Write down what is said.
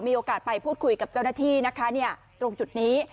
มีโอกาสไปพูดคุยกับเจ้าหน้าที่นะคะตรงจุดนี้